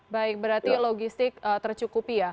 baik berarti logistik tercukupi